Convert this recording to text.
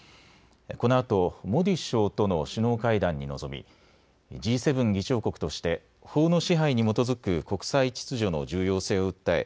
このあとモディ首相との首脳会談に臨みＧ７議長国として法の支配に基づく国際秩序の重要性を訴え